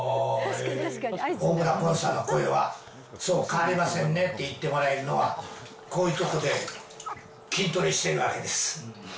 大村崑さんの声はそう変わりませんねって言ってもらえるのは、こういう所で筋トレしてるわけです。